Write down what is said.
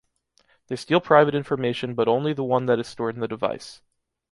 They steal private information but only the one that is stored in the device.